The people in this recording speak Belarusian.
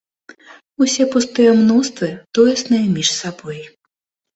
Усе пустыя мноствы тоесныя між сабой.